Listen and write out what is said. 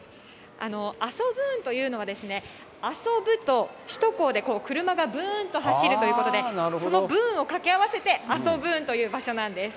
アソブーンというのはですね、遊ぶと、首都高で車がぶーんと走るということで、そのぶーんを掛け合わせて、アソブーンという場所なんです。